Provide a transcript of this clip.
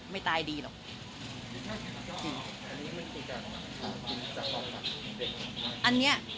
ไม่ตายดีหรอก